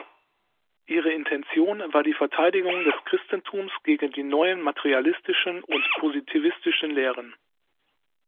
Ihre Intention war die Verteidigung des Christentums gegen die neuen materialistischen und positivistischen Lehren.